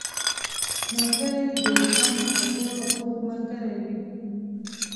• ملګری د ژوند تر ټولو خوږ ملګری وي.